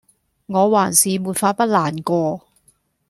我還是沒法不難過